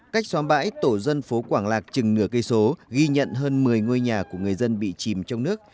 cách xóm bãi tổ dân phố quảng lạc chừng nửa cây số ghi nhận hơn một mươi ngôi nhà của người dân bị chìm trong nước